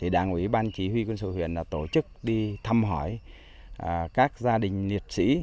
đảng ủy ban chỉ huy quân sự huyện đã tổ chức đi thăm hỏi các gia đình liệt sĩ